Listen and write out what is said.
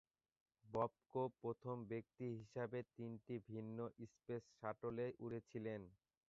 ববকো প্রথম ব্যক্তি হিসেবে তিনটি ভিন্ন স্পেস শাটলে উড়েছিলেন।